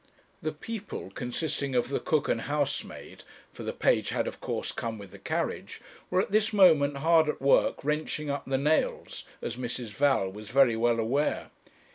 The people, consisting of the cook and housemaid for the page had, of course, come with the carriage were at this moment hard at work wrenching up the nails, as Mrs. Val was very well aware.